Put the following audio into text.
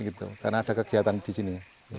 karena ada kegiatan di sini